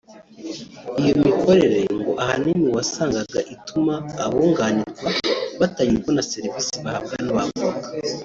Iyi mikorere ngo ahanini wasangaga ituma abunganirwa batanyurwa na serivisi bahabwa n’abavoka